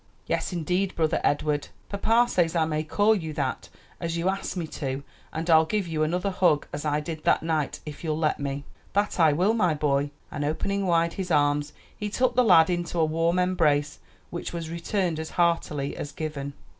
"Yes, indeed, Brother Edward. Papa says I may call you that, as you asked me to; and I'll give you another hug as I did that night, if you'll let me." "That I will, my boy!" And opening wide his arms he took the lad into a warm embrace, which was returned as heartily as given.